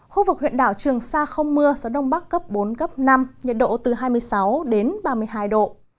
khu vực huyện đảo trường sa không mưa gió đông bắc cấp bốn cấp năm nhiệt độ từ hai mươi sáu đến ba mươi hai độ